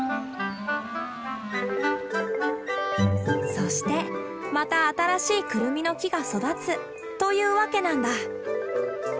そしてまた新しいクルミの木が育つというわけなんだ。